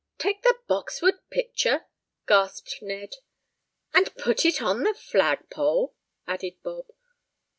"Take the Boxwood picture?" gasped Ned. "And put it on the flagpole?" added Bob.